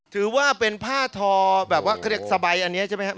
ถือว่าเป็นผ้าทอแบบว่าเขาเรียกสบายอันนี้ใช่ไหมครับ